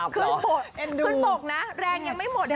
ขึ้นบกนะแรงยังไม่หมดนะคะ